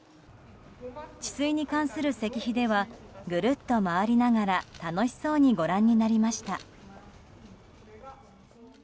治水に関する石碑ではぐるっと回りながら楽しそうにご覧になりました。